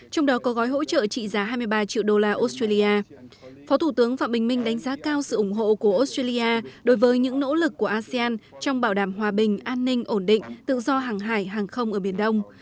trong đó có gói hỗ trợ trị giá hai mươi ba triệu đô la australia phó thủ tướng phạm bình minh đánh giá cao sự ủng hộ của australia đối với những nỗ lực của asean trong bảo đảm hòa bình an ninh ổn định tự do hàng hải hàng không ở biển đông